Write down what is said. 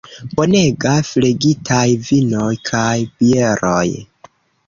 Bonega flegitaj vinoj kaj bieroj.